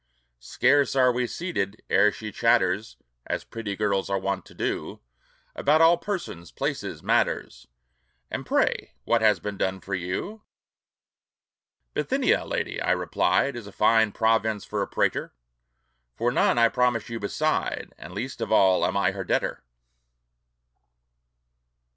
Scarce are we seated, ere she chatters (As pretty girls are wont to do) About all persons, places, matters: "And pray, what has been done for you?" "Bithynia, lady!" I replied, "Is a fine province for a prætor; For none (I promise you) beside, And least of all am I her debtor."